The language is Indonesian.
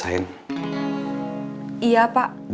ami cerita ke kamu